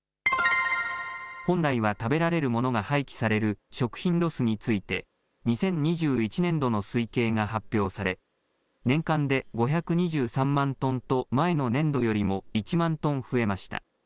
本来は食べられるものが廃棄される食品ロスについて、２０２１年度の推計が発表され、年間で５２３万トンと前の年度よりも１万トン増えました。